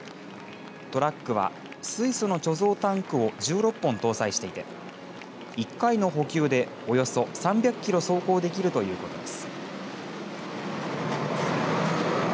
トラックは水素の貯蔵タンクを１６本搭載していて１回の補給でおよそ３００キロ走行できるということです。